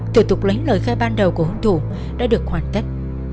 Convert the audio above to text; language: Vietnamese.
thủ tục lãnh lời khai ban đầu của hùng thủ đã được hoàn tất